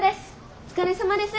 お疲れさまです。